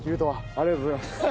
ありがとうございます！